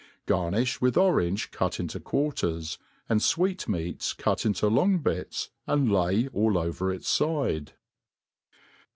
Garnifh with orange cut into quarters, and fweet meats cut into long bitS| and lay all over its fide.